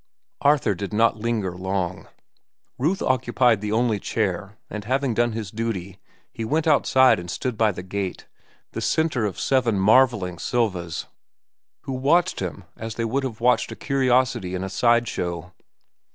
Arthur did not linger long. Ruth occupied the only chair, and having done his duty, he went outside and stood by the gate, the centre of seven marvelling Silvas, who watched him as they would have watched a curiosity in a side show.